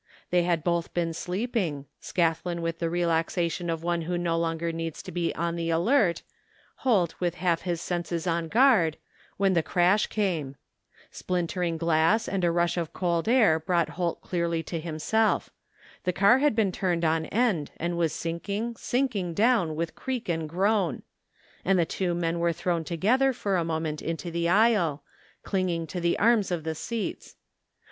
They had both been sleeping — Scathlin with the relaxation of one who no longer needs to be on the 130 THE FINDING OF JASPER HOLT alert, Holt with half his senses on guard — when the crash came. Splintering glass and a rush of cold air brought Holt clearly to himself. The car had been turned on end and was sinking, sinking down with creak and groan; and the two men were thrown to gether for a moment into the aisle, clinging to the arms of the seats.